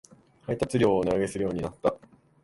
配達料を値上げするようになった